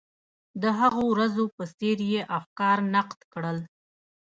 د هغو ورځو په څېر یې افکار نقد کړل.